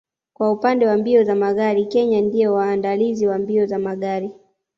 Kwa upande wa mbio za magari Kenya ndio waandalizi wa mbio za magari